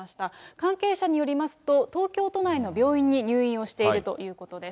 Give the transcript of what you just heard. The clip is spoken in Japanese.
関係者によりますと、東京都内の病院に入院をしているということです。